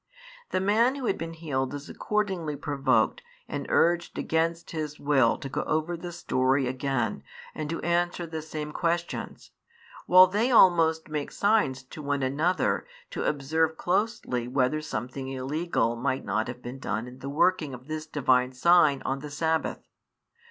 The man who had been healed is accordingly provoked and urged against his will to go over the story again and to answer the same questions, while they almost make signs to one another to observe closely whether something illegal might not have been done in the working of this Divine sign on the sabbath.